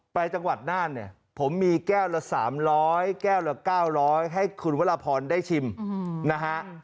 จังหวัดน่านเนี่ยผมมีแก้วละ๓๐๐แก้วละ๙๐๐ให้คุณวรพรได้ชิมนะฮะ